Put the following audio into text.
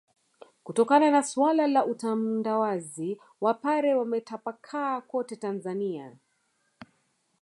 Kutokana na suala la utandawazi wapare wametapakaa kote Tanzania